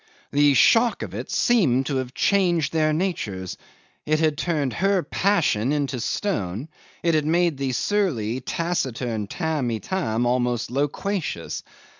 The shock of it seemed to have changed their natures. It had turned her passion into stone, and it made the surly taciturn Tamb' Itam almost loquacious.